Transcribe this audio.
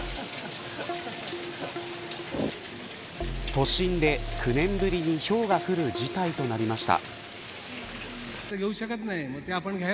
都心で９年ぶりにひょうが降る事態となりました。